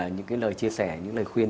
những lời chia sẻ những lời khuyên